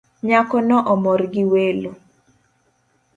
Nyako no omor gi welo